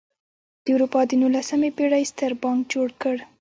د اروپا د نولسمې پېړۍ ستر بانک جوړ کړ.